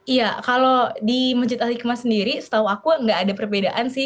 iya kalau di masjid al hikmah sendiri setahu aku nggak ada perbedaan sih